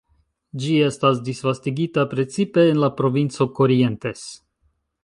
Ĝi esta disvastigita precipe en la provinco Corrientes.